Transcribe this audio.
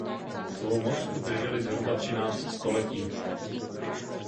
Svou moc udrželi zhruba třináct století.